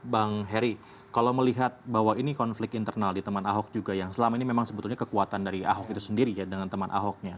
bang heri kalau melihat bahwa ini konflik internal di teman ahok juga yang selama ini memang sebetulnya kekuatan dari ahok itu sendiri ya dengan teman ahoknya